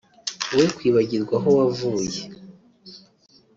we kwibagirwa aho wavuye